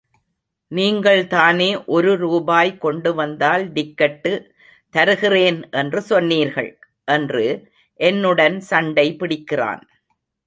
நீங்கள்தானே ஒரு ரூபாய் கொண்டு வந்தால் டிக்கட்டு தருகிறேன் என்று சொன்னீர்கள்? என்று என்னுடன் சண்டை பிடிக்கிறான்.